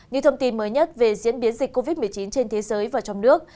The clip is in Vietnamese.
những thông tin mới nhất về diễn biến dịch covid một mươi chín trên thế giới và trong nước